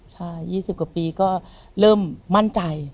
ใช่๒๐กว่าปีก็เริ่มมั่นใจ